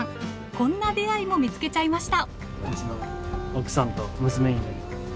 こんな出会いも見つけちゃいました。